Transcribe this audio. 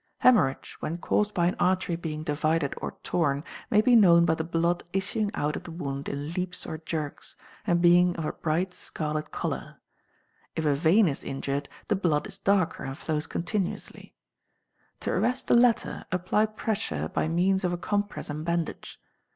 Hæmorrhage, when caused by an artery being divided or torn, may be known by the blood issuing out of the wound in leaps or jerks, and being of a bright scarlet colour. If a vein is injured, the blood is darker and flows continuously. To arrest the latter, apply pressure by means of a compress and bandage.